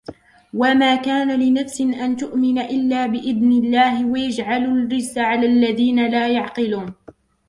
وَمَا كَانَ لِنَفْسٍ أَنْ تُؤْمِنَ إِلَّا بِإِذْنِ اللَّهِ وَيَجْعَلُ الرِّجْسَ عَلَى الَّذِينَ لَا يَعْقِلُونَ